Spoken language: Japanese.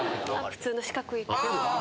普通の四角い。